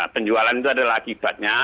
penjualan itu adalah akibatnya